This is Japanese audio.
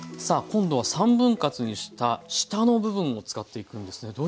さあ今度は３分割にした下の部分を使っていくんですね。